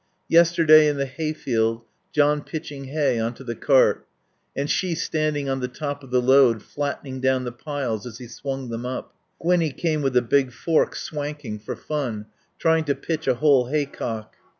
Yesterday in the hayfield, John pitching hay on to the cart, and she standing on the top of the load, flattening down the piles as he swung them up. Gwinnie came with a big fork, swanking, for fun, trying to pitch a whole haycock.